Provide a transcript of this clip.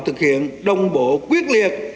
thực hiện đồng bộ quyết liệt